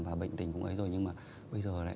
và bệnh tình cũng ấy rồi